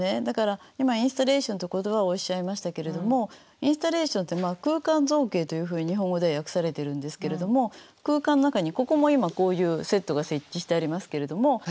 だから今インスタレーションって言葉をおっしゃいましたけれどもインスタレーションって空間造形というふうに日本語では訳されてるんですけれども空間の中にここも今こういうセットが設置してありますけれども。